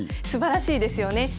すばらしいですよね。